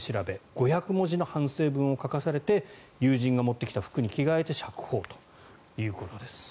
５００文字の反省文を書かされて友人が持ってきた服に着替えて釈放ということです。